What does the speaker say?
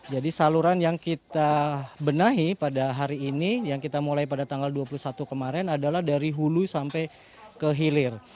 jadi saluran yang kita benahi pada hari ini yang kita mulai pada tanggal dua puluh satu kemarin adalah dari hulu sampai ke hilir